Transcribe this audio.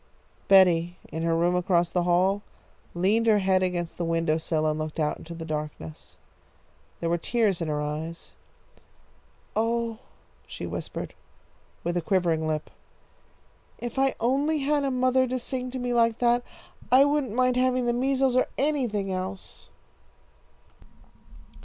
'" Betty, in her room across the hall, leaned her head against the window sill and looked out into the darkness. There were tears in her eyes. "Oh," she whispered, with a quivering lip, "if I only had a mother to sing to me like that, I wouldn't mind having the measles or anything else!"